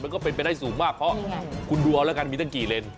ก็เป็นไปได้สูงมากเพราะคุณดูเอาแล้วกันมีตั้งกี่เลน